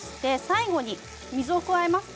最後に水を加えます。